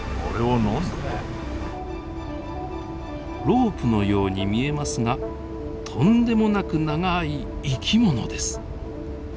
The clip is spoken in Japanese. ロープのように見えますがとんでもなく長い生き物です。